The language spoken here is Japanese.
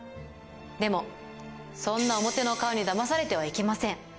でも、そんな表の顔にだまされてはいけません。